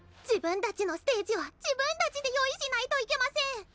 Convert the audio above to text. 自分たちのステージは自分たちで用意しないといけません。